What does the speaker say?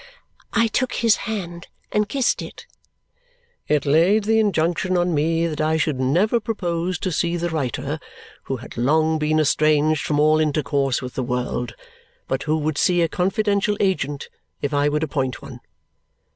I took his hand and kissed it. "It laid the injunction on me that I should never propose to see the writer, who had long been estranged from all intercourse with the world, but who would see a confidential agent if I would appoint one.